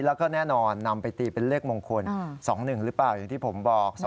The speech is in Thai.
แล้วก็แน่นอนนำไปตีเป็นเลขมงคล๒๑หรือเปล่าอย่างที่ผมบอก